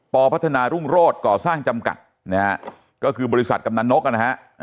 พัฒนารุ่งโรศก่อสร้างจำกัดนะฮะก็คือบริษัทกำนันนกนะฮะ